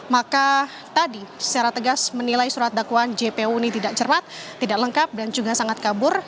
maka tadi secara tegas menilai surat dakwaan jpu ini tidak cerat tidak lengkap dan juga sangat kabur